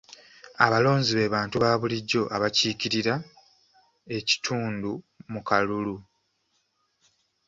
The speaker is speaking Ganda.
Abalonzi be bantu baabulijjo abakiikirira ekitundu mu kalulu.